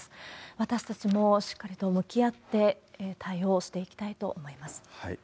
私たちもしっかりと向き合って対応していきたいと思います。